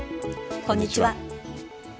こんにちは。